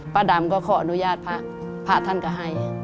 ป้าดำก็ขออนุญาตพระท่านก็ให้